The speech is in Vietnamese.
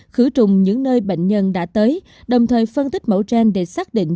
khử trùng những nơi bệnh nhân đã tới đồng thời phân tích mẫu gen để xác định